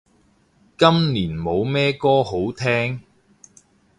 今年冇咩歌好聼